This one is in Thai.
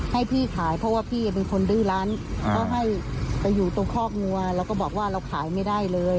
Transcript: ให้พี่ขายเพราะว่าพี่เป็นคนดื้อร้านเขาให้ไปอยู่ตรงคอกงัวแล้วก็บอกว่าเราขายไม่ได้เลย